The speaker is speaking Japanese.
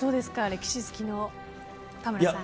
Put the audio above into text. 歴史好きの田村さん。